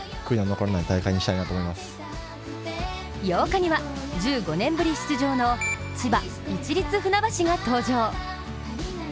８日には１５年ぶり出場の千葉・市立船橋が登場。